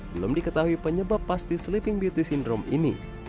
belum diketahui penyebab pasti sleeping beauty syndrome ini